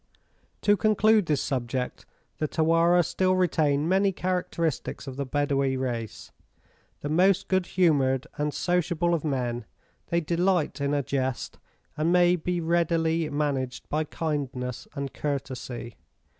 To conclude this subject, the Tawarah still retain many characteristics of the Badawi race. The most good humoured and sociable of men, they delight in a jest, and may readily be managed by kindness and courtesy.